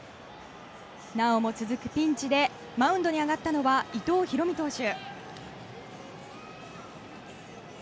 なおも続くピンチでマウンドに上がったのは伊藤大海投手。